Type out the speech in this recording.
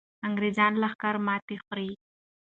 انګریزي لښکر ماتې خوري.